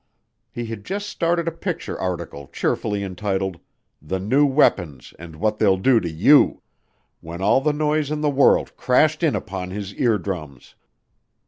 He had just started a picture article cheerfully entitled "The New Weapons and What They'll Do To YOU", when all the noise in the world crashed in upon his ear drums.